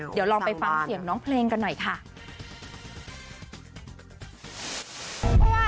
เดี๋ยวลองไปฟังเสียงน้องเพลงกันหน่อยค่ะ